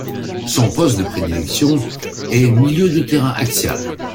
Son poste de prédilection est milieu de terrain axial.